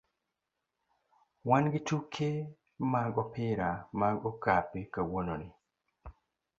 wan gi tuke mag opira mar okape kawuononi.